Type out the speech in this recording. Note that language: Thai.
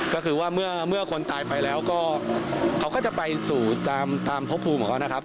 ก็คือว่าเมื่อคนตายไปแล้วก็เขาก็จะไปสู่ตามพบภูมิของเขานะครับ